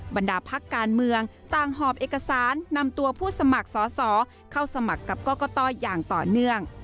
บรรดาพักการเมืองต่างหอบเอกสารนำตัวผู้สมัครสอสอเข้าสมัครกับกรกตอย่างต่อเนื่อง